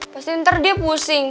pasti ntar dia pusing